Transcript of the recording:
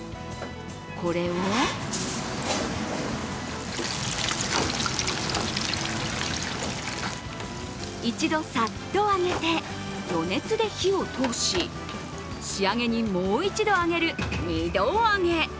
これを１度さっと揚げて余熱で火を通し、仕上げにもう一度揚げる二度揚げ。